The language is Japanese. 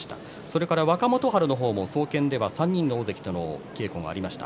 それから若元春の方も３人の大関との稽古もありました。